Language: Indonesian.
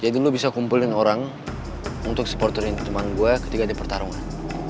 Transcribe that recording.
jadi lo bisa kumpulin orang untuk supporterin teman gue ketika ada pertarungan